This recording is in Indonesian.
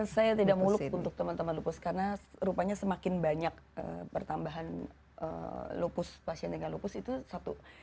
saya tidak muluk untuk teman teman lupus karena rupanya semakin banyak pertambahan lupus pasien dengan lupus itu satu